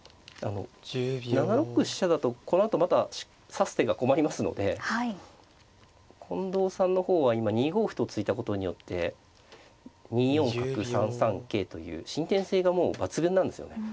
７六飛車だとこのあとまた指す手が困りますので近藤さんの方は今２五歩と突いたことによって２四角３三桂という伸展性がもう抜群なんですよね。